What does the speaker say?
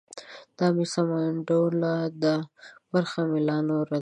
ـ دا مې سمنډوله ده برخه مې لا نوره ده.